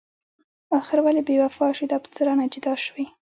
اخر ولې بې وفا شوي؟ دا په څه رانه جدا شوي؟